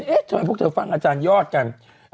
เอ๊ะจะว่ามันยอดกัน